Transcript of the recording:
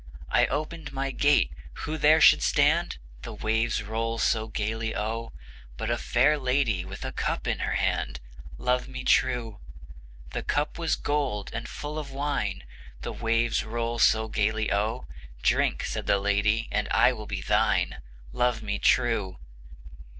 I opened my gate; who there should stand The waves roll so gayly O, But a fair lady, with a cup in her hand, Love me true! The cup was gold, and full of wine, The waves roll so gayly O, "Drink," said the lady, "and I will be thine," Love me true!